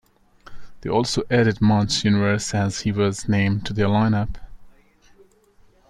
They also added Munch Universe, as he was named, to their line-up.